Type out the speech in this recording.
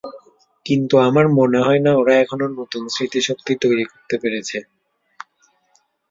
কিন্তু আমার মনে হয় না ওরা এখনো নতুন স্মৃতিশক্তি তৈরি করতে পেরেছে।